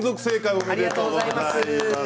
おめでとうございます。